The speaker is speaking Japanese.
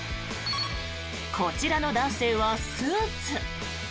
こちらの男性はスーツ。